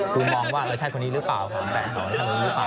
กูมองว่าเราใช่คนนี้หรือเปล่าถามแปลงเขาว่าใช่คนนี้หรือเปล่า